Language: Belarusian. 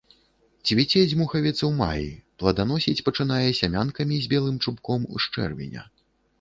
Цвіце дзьмухавец ў маі, плоданасіць пачынае сямянкамі з белым чубком з чэрвеня.